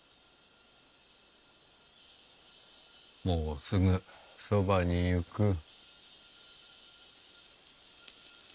もうすぐそばに行く。